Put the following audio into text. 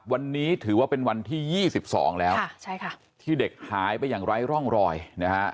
วันนี้ถือว่าเป็นวันที่๒๒แล้วที่เด็กหายไปอย่างไร้ร่องรอยนะฮะ